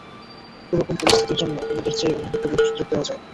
এরকম পরিস্থিতির জন্য অন্যদের চেয়ে ওনাকে একটু বেশি সুযোগ দেয়া যায়।